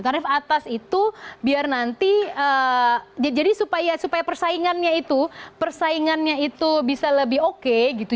tarif atas itu biar nanti jadi supaya persaingannya itu persaingannya itu bisa lebih oke gitu